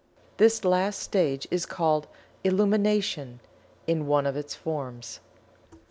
This last stage is called "Illumination" in one of its forms.